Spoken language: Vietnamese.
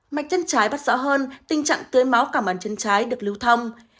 mạch chân trái bắt rõ hơn tình trạng tưới máu cả màn chân trái được lưu thông